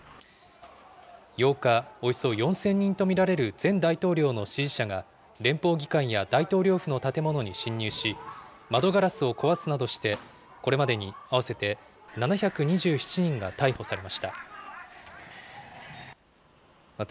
８日、およそ４０００人と見られる前大統領の支持者が、連邦議会や大統領府の建物に侵入し、窓ガラスを壊すなどして、これまでに合わせて７２７人が逮捕されました。